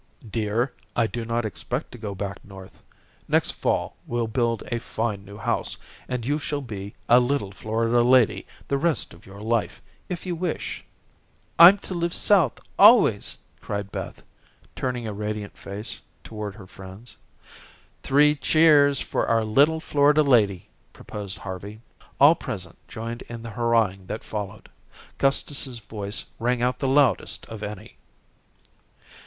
"Dear, I do not expect to go back North. Next fall, we'll build a fine new house, and you shall be a little Florida lady the rest of your life, if you wish." "I'm to live South always," cried Beth, turning a radiant face toward her friends. "Three cheers for our little Florida lady," proposed Harvey. All present joined in the hurrahing that followed. Gustus's voice rang out the loudest of any.